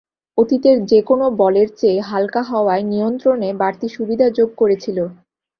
অতীতের যেকোনো বলের চেয়ে হালকা হওয়ায় নিয়ন্ত্রণে বাড়তি সুবিধা যোগ করেছিল।